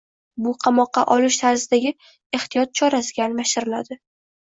bu qamoqqa olish tarzidagi ehtiyot chorasiga almashtiriladi.